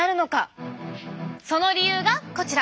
その理由がこちら！